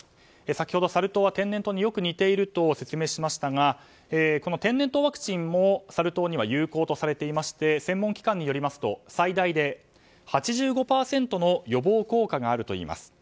先ほどサル痘は天然痘によく似ていると説明しましたが天然痘ワクチンもサル痘には有効とされていまして専門機関によりますと最大で８５％の予防効果があるといいます。